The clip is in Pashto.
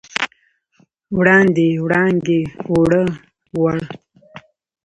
وړاندې، وړانګې، اووړه، وړ